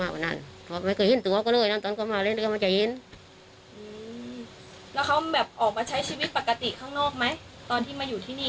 แล้วเขาแบบออกมาใช้ชีวิตปกติข้างนอกไหมตอนที่มาอยู่ที่นี่